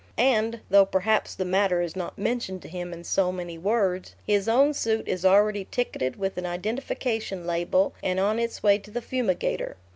And (though perhaps the matter is not mentioned to him in so many words) his own suit is already ticketed with an identification label and on its way to the fumigator.